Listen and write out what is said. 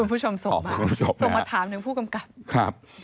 คุณผู้ชมส่งมาอ๋อคุณผู้ชมส่งมาส่งมาถามถึงผู้กำกับครับ